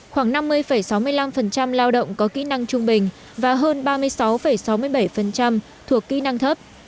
khoảng năm mươi sáu mươi năm lao động có kỹ năng trung bình và hơn ba mươi sáu sáu mươi bảy thuộc kỹ năng thấp